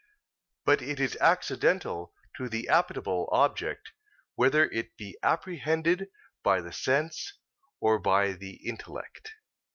But it is accidental to the appetible object whether it be apprehended by the sense or by the intellect.